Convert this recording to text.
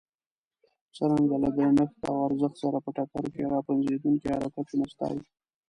څرنګه له درنښت او ارزښت سره په ټکر کې را پنځېدونکي حرکتونه ستایي.